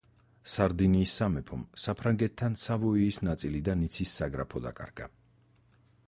სარდინიის სამეფომ საფრანგეთთან სავოიის ნაწილი და ნიცის საგრაფო დაკარგა.